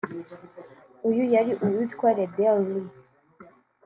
Uyu yari uwitwa Ledell Lee